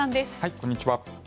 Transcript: こんにちは。